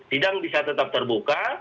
sidang bisa tetap terbuka